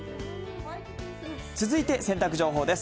続いて洗濯情報です。